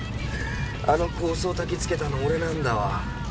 あの抗争たきつけたの俺なんだわ。